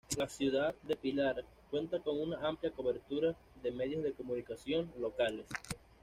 La ciudad de Pilar cuenta con una amplia cobertura de medios de comunicación locales.